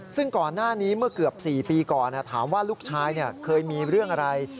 ซึ่งก่อนหน้านี้เมื่อเกือบ๔ปีก่อนถามว่าลูกชายเคยมีเรื่องอะไร